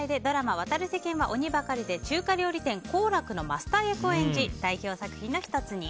「渡る世間は鬼ばかり」で中華料理店幸楽のマスター役を演じ代表作品の１つに。